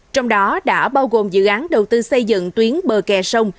trong đó đã bao gồm dự án đầu tư xây dựng tuyến bờ kè sông